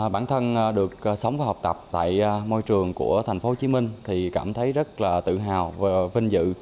bản thân được sống và học tập tại môi trường của thành phố hồ chí minh thì cảm thấy rất là tự hào và vinh dự